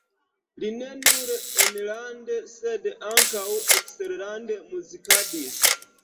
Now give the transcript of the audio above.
Li ne nur enlande, sed ankaŭ eksterlande muzikadis.